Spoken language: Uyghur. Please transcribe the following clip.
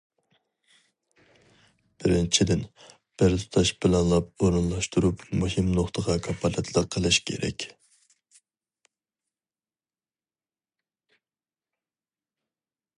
بىرىنچىدىن، بىر تۇتاش پىلانلاپ ئورۇنلاشتۇرۇپ، مۇھىم نۇقتىغا كاپالەتلىك قىلىش كېرەك.